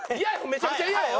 めちゃくちゃ嫌よ。